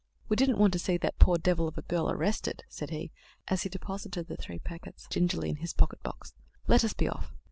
"We didn't want to see that poor devil of a girl arrested," said he, as he deposited the three little packets gingerly in his pocket box. "Let us be off."